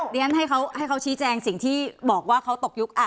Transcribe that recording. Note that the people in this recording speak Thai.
เรียนให้เขาชี้แจงสิ่งที่บอกว่าเขาตกยุค